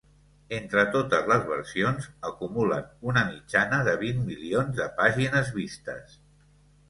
Entre totes les versions, acumulen una mitjana de vint milions de pàgines vistes.